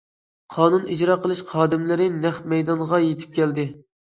قانۇن ئىجرا قىلىش خادىملىرى نەق مەيدانغا يېتىپ كەلدى.